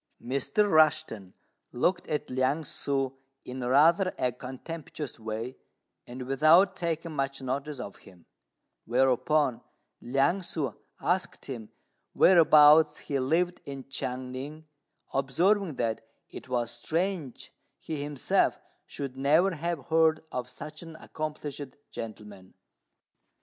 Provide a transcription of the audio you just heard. Mr. Rushten looked at Liang ssŭ in rather a contemptuous way, and without taking much notice of him; whereupon Liang ssŭ asked him whereabouts he lived in Chiang ning, observing that it was strange he himself should never have heard of such an accomplished gentleman.